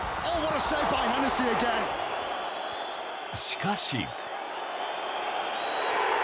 しかし。